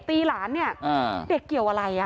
ตีหลานเนี่ยเด็กเกี่ยวอะไรอ่ะ